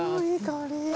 いい香り。